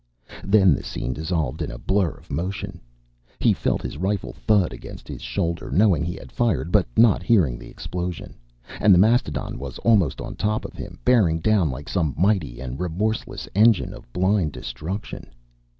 Then the scene dissolved in a blur of motion. He felt his rifle thud against his shoulder, knowing he had fired, but not hearing the explosion. And the mastodon was almost on top of him, bearing down like some mighty and remorseless engine of blind destruction.